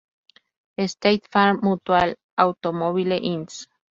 State Farm Mutual Automobile Ins.